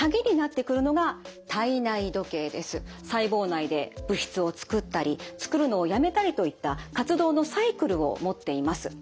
細胞内で物質を作ったり作るのをやめたりといった活動のサイクルを持っています。